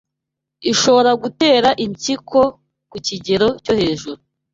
ishobora gutera impyiko kukigero cyo heju